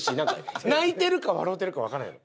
泣いてるか笑うてるかわからんやろ？